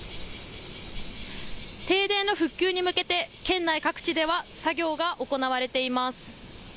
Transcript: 停電の復旧に向けて県内各地では作業が行われています。